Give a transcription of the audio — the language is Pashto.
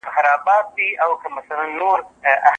څپلی په ژمي کي نه اغوستل کېږي.